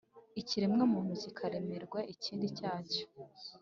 Ikiremwamuntu kikaremerwa ikindi cyacyo